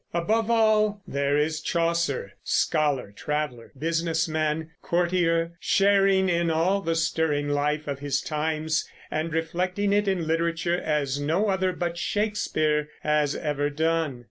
Above all there is Chaucer, scholar, traveler, business man, courtier, sharing in all the stirring life of his times, and reflecting it in literature as no other but Shakespeare has ever done.